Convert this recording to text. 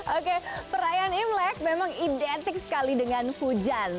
oke perayaan imlek memang identik sekali dengan hujan